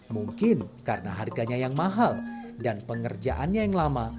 mungkin karena harganya yang mahal dan pengerjaannya yang lama